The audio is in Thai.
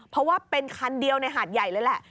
เพราะว่าเป็นคันเดียวในหาดใหญ่เลยแหละ